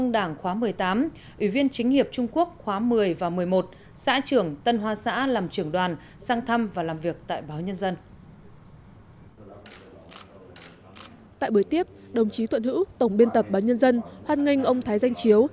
đồng chí thuận hữu tổng biên tập báo nhân dân hoan nghênh ông thái danh chiếu